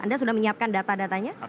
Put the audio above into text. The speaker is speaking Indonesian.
anda sudah menyiapkan data datanya